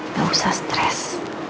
gak usah stres